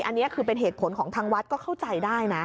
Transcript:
อันนี้คือเป็นเหตุผลของทางวัดก็เข้าใจได้นะ